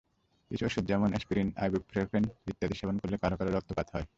কিছু ওষুধ যেমন অ্যাসপিরিন, আইবুপ্রফেন ইত্যাদি সেবন করলে কারও কারও রক্তপাত হয়।